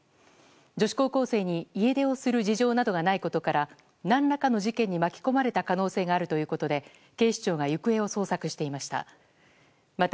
女子高校生に家出をする事情などがないことから何らかの事件に巻き込まれた可能性があるということで警視庁が行方を捜索していました。